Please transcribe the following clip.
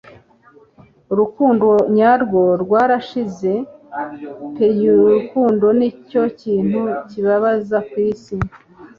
Urukundo nyarwo rwarashize peurukundonicyokintu kibabaza kwisi